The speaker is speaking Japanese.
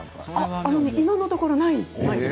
今のところないです。